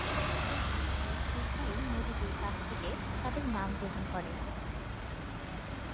Jordan ও পশ্চিম তীর উভয়ই নদীটির কাছ থেকে তাদের নাম গ্রহণ করে।